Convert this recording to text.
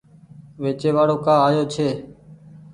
ويچي وآڙو ڪآ آيو ڇي ۔